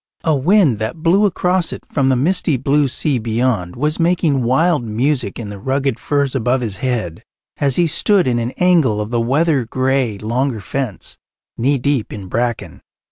A wind that blew across it from the misty blue sea beyond was making wild music in the rugged firs above his head as he stood in an angle of the weather grey longer fence, knee deep in bracken.